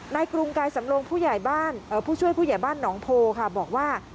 ในกรุงกายสำรวงผู้ช่วยผู้ใหญ่บ้านน้องโพบอกว่า